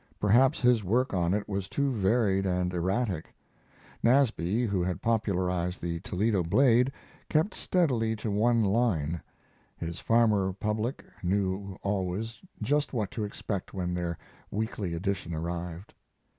Perhaps his work on it was too varied and erratic. Nasby, who had popularized the Toledo Blade, kept steadily to one line. His farmer public knew always just what to expect when their weekly edition arrived.